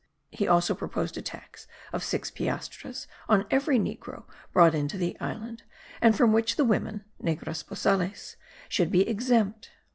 He also proposed a tax of six piastres on every negro brought into the island, and from which the women (negras bozales) should be exempt.